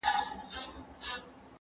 لېوه جوړي په ځنګله کي کړې رمباړي